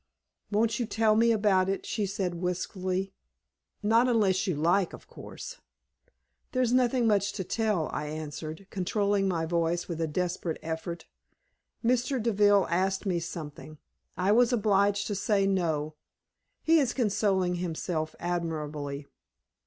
"Won't you tell me about it?" she said, wistfully. "Not unless you like, of course." "There is nothing much to tell," I answered, controlling my voice with a desperate effort. "Mr. Deville asked me something. I was obliged to say no. He is consoling himself admirably."